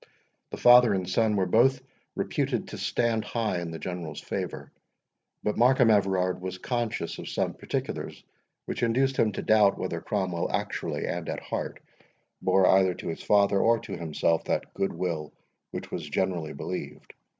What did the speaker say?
The father and son were both reputed to stand high in the General's favour. But Markham Everard was conscious of some particulars, which induced him to doubt whether Cromwell actually, and at heart, bore either to his father or to himself that good will which was generally believed.